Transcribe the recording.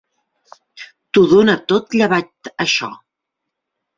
T'ho dona tot, llevat això.